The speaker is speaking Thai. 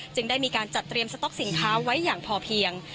ได้มีการจัดเตรียมสต๊อกสินค้าไว้อย่างพอเพียง